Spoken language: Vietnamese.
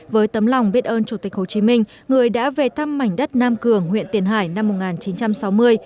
với tấm lòng biết ơn chủ tịch hồ chí minh người đã về thăm mảnh đất nam cường huyện tiền hải năm một nghìn chín trăm sáu mươi